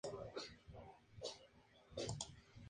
Es de formación Rocosa, sin vegetación y de color rojizo.